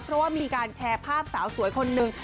เพราะว่ามีการแชร์ภาพสาวสวยคนหนึ่ง